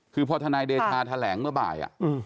คือพอทนายเดชาแถลงเมื่อบ่าย